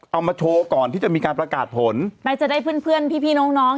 เอามาโชว์ก่อนที่จะมีการประกาศผลแม้จะได้เพื่อนเพื่อนพี่น้องน้อง